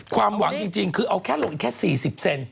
ความหวังจริงคือเอาลงแค่๔๐เซนต์